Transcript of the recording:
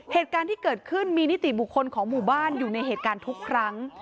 เหตุการณ์ที่เกิดขึ้นมีนิติบุคคลของหมู่บ้านอยู่ในเหตุการณ์ทุกครั้ง